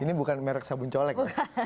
ini bukan merek sabun colek